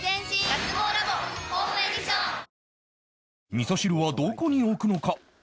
味噌汁はどこに置くのか？